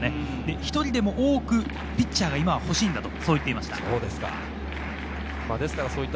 一人でも多くピッチャーが今は欲しいと言っていました。